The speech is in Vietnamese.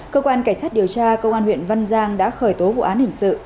cơ quan cảnh sát điều tra công an huyện văn giang đã khởi tố vụ án hình sự